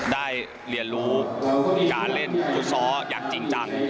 ได้เรียนรู้การเล่นทุศทรอยากจริงจัง